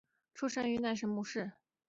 出身于神奈川县厚木市。